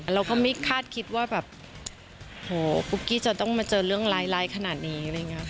เราก็ไม่คาดคิดว่าแบบโอ้โฮปุ๊กกี้จะต้องมาเจอเรื่องไร้ขนาดนี้